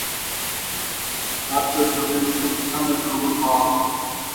রাজ্যে ঝড়ের উত্থানের খবর পাওয়া গেছে।